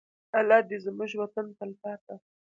الله دې زموږ وطن ته تلپاته.